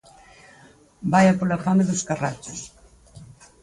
Vaia pola fame dos carrachos!